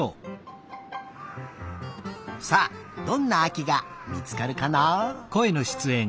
さあどんなあきがみつかるかな？